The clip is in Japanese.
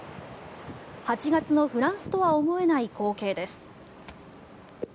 ８月のフランスとは思えない光景です。